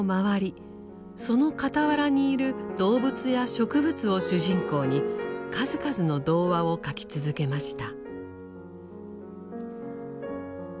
その傍らにいる動物や植物を主人公に数々の童話を書き続けました。